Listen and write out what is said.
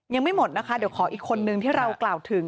ยังไม่หมดนะคะเดี๋ยวขออีกคนนึงที่เรากล่าวถึง